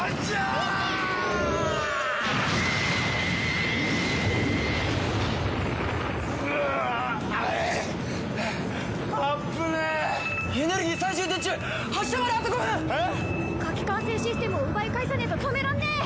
火器管制システムを奪い返さねえと止めらんねえ！